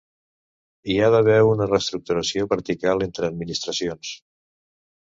Hi ha d’haver una reestructuració vertical entre administracions.